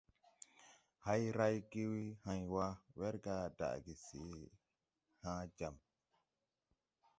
Hay rayge hãy wa, wɛrga daʼge se hãã jam.